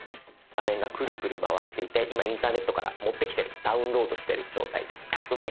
画面がクルクル回っていて今インターネットから持ってきてるダウンロードしてる状態です。